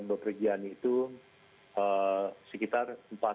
yang berpergian itu sekitar empat ratus lima puluh delapan